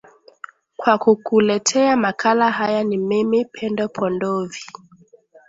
kwa kukuletea makala haya ni mimi pendo pondovi